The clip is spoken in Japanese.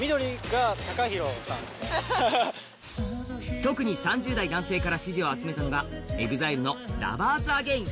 特に３０代男性から支持を集めたのがＥＸＩＬＥの「ＬｏｖｅｒｓＡｇａｉｎ」。